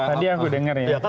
tadi aku dengar ya